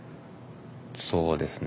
そうですね。